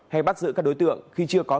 hay bắt giữ các đối tượng khi chưa có